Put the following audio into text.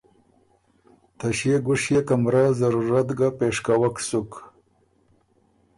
ته ݭيې ګُشيې کمره ضرورت ګۀ پېش کوَک سُک۔